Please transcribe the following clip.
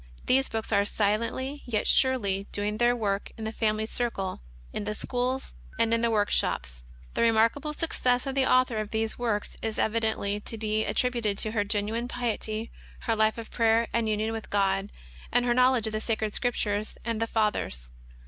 These books are silently, yet surely, doing their work in the family circle, in the schools, and in the work shops. The remarkable suc cess of the Author of these works is evidently to be at tributed to her genuine piety, her life of prayer and union with God, and her knowledge of the Sacred Scrip tures and the Fathers.